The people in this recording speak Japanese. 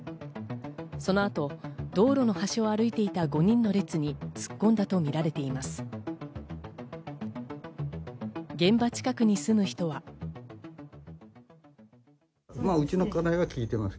そのあと道路の端を歩いていた５人の列に突っ込んだとみられています。